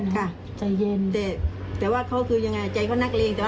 แต่ว่านักเลงไม่ได้ห่าวเรื่องเพื่อน